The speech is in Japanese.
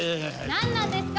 何なんですか？